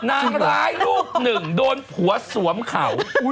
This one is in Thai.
นางร้ายรูปหนึ่งโดนผัวสวมเขา